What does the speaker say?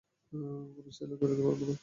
আমি চাইলেও বেরোতে পারব না।